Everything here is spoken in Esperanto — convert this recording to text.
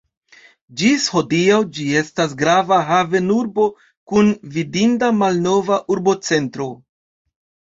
Ĝis hodiaŭ ĝi estas grava haven-urbo kun vidinda malnova urbocentro.